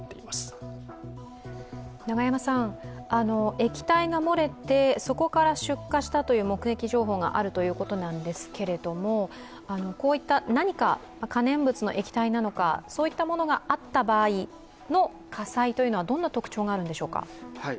液体が漏れて、そこから出火したという目撃情報があるということなんですけれどもこういった何か可燃物の液体なのか、そういったものがあった場合の火災はどんな特徴があるんでしょうか？